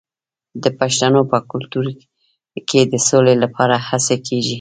د پښتنو په کلتور کې د سولې لپاره هڅې کیږي.